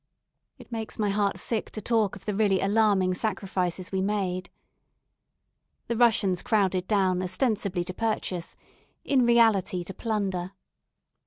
It makes my heart sick to talk of the really alarming sacrifices we made. The Russians crowded down ostensibly to purchase, in reality to plunder.